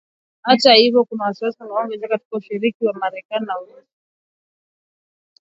Hata hivyo kuna wasiwasi unaoongezeka wa ushiriki mbaya kati ya Marekani na Urusi.